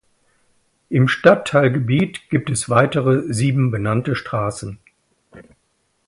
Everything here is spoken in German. Im Stadtteilgebiet gibt es weitere sieben benannte Straßen.